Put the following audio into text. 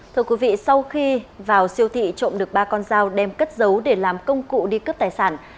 thưa quý vị sau khi vào siêu thị trộm được ba con dao đem cất giấu để làm công cụ đi cướp tài sản